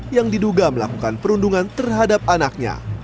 yang diduga melakukan perundungan terhadap anaknya